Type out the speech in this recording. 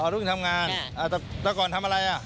อ๋อเพิ่งทำงานแต่ก่อนทำอะไร